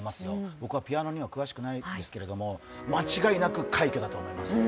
僕はピアノには詳しくないですけれど間違いなく快挙だと思います。